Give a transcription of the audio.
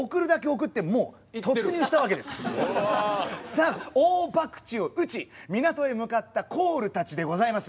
さあ大ばくちを打ち港へ向かったコールたちでございます。